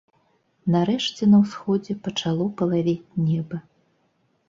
Нарэшце на ўсходзе пачало палавець неба.